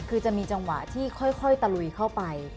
คือจะมีจังหวะที่ค่อยตะลุยเข้าไป